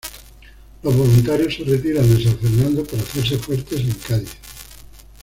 Los voluntarios se retiran de San Fernando para hacerse fuertes en Cádiz.